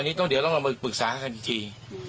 อันนี้ต้องเดี๋ยวเรามาปรึกษากันดี